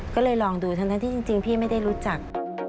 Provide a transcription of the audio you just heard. ก็เลยลองดูทั้งนั้นที่จริงพี่ไม่ได้รู้จัก